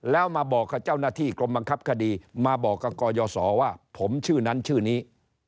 แล้วมาบอกกับเจ้าหน้าที่กรมบังคับคดีมาบอกกับกรยศว่าผมชื่อนั้นชื่อนี้